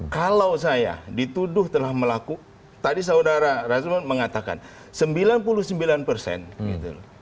kalau saya dituduh telah melaku tadi saudara resman mengatakan sembilan puluh sembilan persen gitu